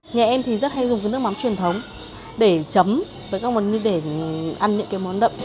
nhà em thì rất hay dùng cái nước mắm truyền thống để chấm với các món như để ăn những cái món đậm